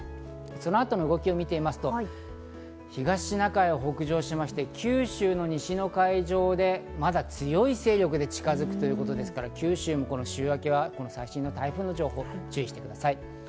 そのあとの動きを見てみますと、東シナ海を北上して九州の西の海上で、まだ強い勢力で近づくということですから、九州も週明けは最新の台風情報に注意してください。